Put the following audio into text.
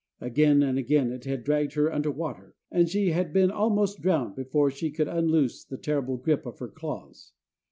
Again and again it had dragged her under water, and she had been almost drowned before she could unloose the terrible grip of her claws.